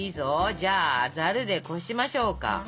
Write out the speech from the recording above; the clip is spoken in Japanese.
じゃあざるでこしましょうか。